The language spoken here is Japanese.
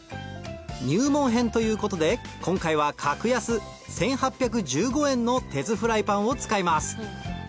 入門編ということで今回は格安１８１５円の鉄フライパンを使います